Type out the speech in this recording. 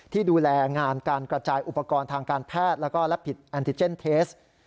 ที่ดูแลงานการกระจายอุปกรณ์ทางการแพทย์แล้วก็และผิดแอนติเจนเทส